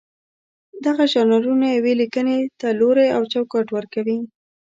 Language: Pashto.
دغه ژانرونه یوې لیکنې ته لوری او چوکاټ ورکوي.